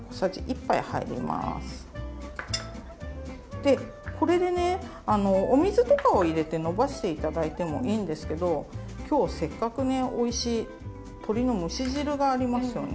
でこれでねお水とかを入れてのばして頂いてもいいんですけど今日せっかくねおいしい鶏の蒸し汁がありますよね。